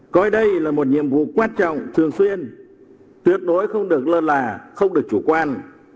coi đây là một nhiệm vụ quan trọng thường xuyên tuyệt đối không được lơ là không được chủ quan